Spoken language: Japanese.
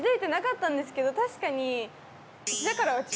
確かに。